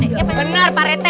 bener pak rt